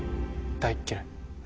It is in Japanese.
大嫌い。